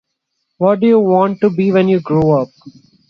What do you want to be when you grow up?